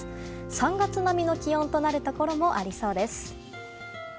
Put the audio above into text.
３月並みの気温となるところもありそうです。